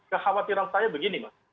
kekhawatiran saya begini mas